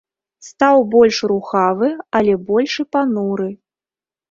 Стаў больш рухавы, але больш і пануры.